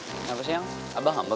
kenapa siang abah ngambek